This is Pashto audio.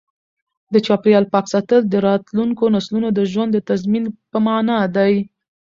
د چاپیریال پاک ساتل د راتلونکو نسلونو د ژوند د تضمین په مانا دی.